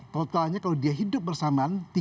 totalnya kalau dia hidup bersamaan